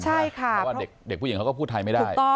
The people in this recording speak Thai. เพราะว่าเด็กผู้หญิงเขาก็พูดไทยไม่ได้